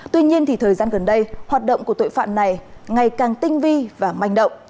tuy nhiên thời gian gần đây hoạt động của tội phạm này ngày càng tinh vi và manh động